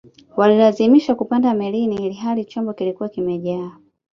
walilazimisha kupanda melini ilihali chombo kilikuwa kimejaa